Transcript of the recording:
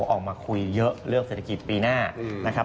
ออกมาคุยเยอะเรื่องเศรษฐกิจปีหน้านะครับ